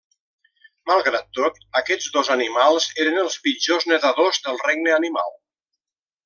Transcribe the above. Malgrat tot, aquests dos animals eren els pitjors nedadors del regne animal.